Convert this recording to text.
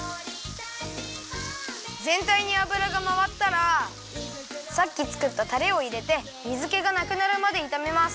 ぜんたいに油がまわったらさっきつくったたれをいれて水けがなくなるまでいためます。